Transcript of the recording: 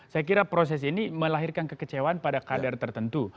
saya kira proses ini melahirkan kekecewaan pada kadar tertentu